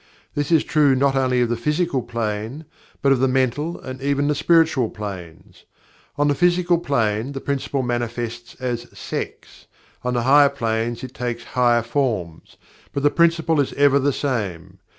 This is true not only of the Physical Plane, but of the Mental and even the Spiritual Planes. On the Physical Plane, the Principle manifests as SEX, on the higher planes it takes higher forms, but the Principle is ever the same.